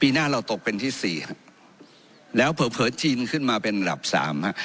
หน้าเราตกเป็นที่สี่ฮะแล้วเผลอเผลอจีนขึ้นมาเป็นระดับสามฮะ